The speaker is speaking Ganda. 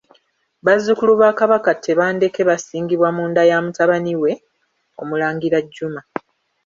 Bazzukulu ba Kabaka Tebandeke basingibwa mu nda ya mutabani we Omulangira Juma.